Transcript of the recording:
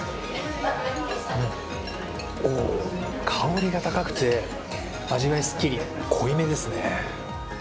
おー、香りが高くて味わいすっきり濃いめですね。